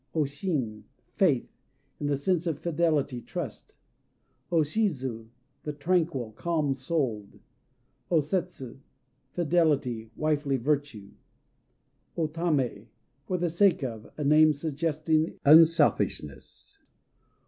O Shin "Faith," in the sense of fidelity, trust. O Shizu "The Tranquil," calm souled. O Setsu "Fidelity," wifely virtue. O Tamé "For the sake of," a name suggesting unselfishness.